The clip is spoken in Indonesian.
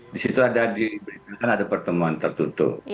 di situ ada diberikan ada pertemuan tertutup